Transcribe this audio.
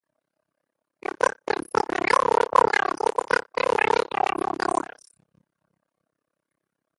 Aquest tercer treball no tindrà una crítica tan bona com els anteriors.